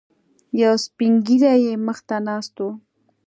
یو سپینږیری یې مخې ته ناست و.